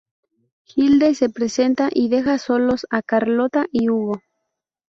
Hilde se presenta y deja solos a Carlotta y Hugo.